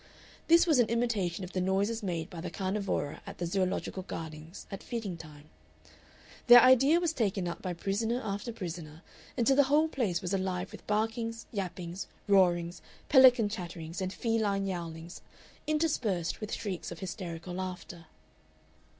This was an imitation of the noises made by the carnivora at the Zoological Gardens at feeding time; the idea was taken up by prisoner after prisoner until the whole place was alive with barkings, yappings, roarings, pelican chatterings, and feline yowlings, interspersed with shrieks of hysterical laughter.